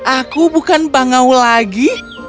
aku bukan bangau lagi